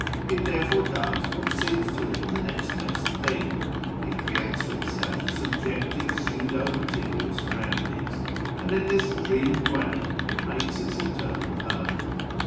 It therefore does what seems to it the next best thing: it creates for itself subjective pseudo material surroundings, and in this dream dwelling it makes its eternal home.